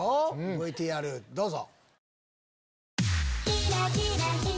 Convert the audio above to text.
ＶＴＲどうぞ！